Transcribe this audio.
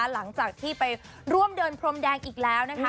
หลังจากที่ไปร่วมเดินพรมแดงอีกแล้วนะคะ